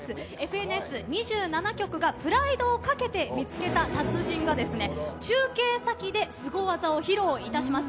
ＦＮＳ２７局がプライドをかけて見つけた達人が中継先でスゴ技を披露いたします。